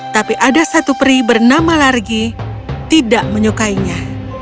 tapi ada satu peri bernama largi tidak menyukainya